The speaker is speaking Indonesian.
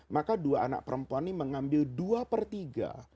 maka dua anak perempuan ini mengambil dua per tiga